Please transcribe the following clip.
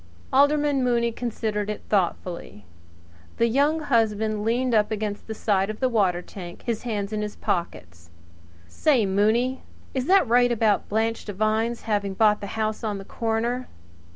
Alderman Mooney considered it thoughtfully. The Young Husband leaned up against the side of the cistern, his hands in his pockets. "Say, Mooney, is that right about Blanche Devine's having bought the house on the corner?"